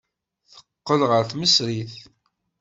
Teqqel ɣer tmesrit.